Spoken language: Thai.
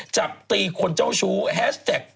จับตีคนเจ้าชู้แฮชแท็ก